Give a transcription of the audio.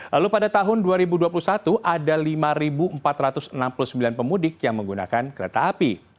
lalu pada tahun dua ribu dua puluh satu ada lima empat ratus enam puluh sembilan pemudik yang menggunakan kereta api